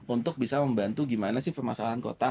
untuk bisa membantu gimana sih permasalahan kota